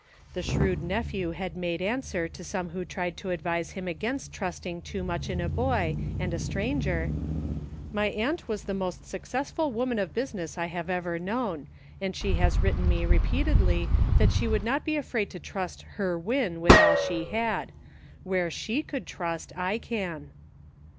The shrewd nephew had made answer to some who tried to advise him against trusting too much in a boy and a stranger, — "My aunt was the most successful woman of business I have ever known, and she has written 1 84 HAPPENINGS. me repeatedly that she would not be afraid to trust ' her Win ' with all she had ; where she could trust, I can."